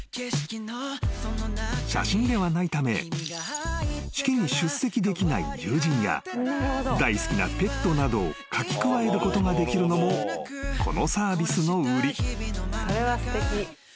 ［写真ではないため式に出席できない友人や大好きなペットなどを描き加えることができるのもこのサービスの売り］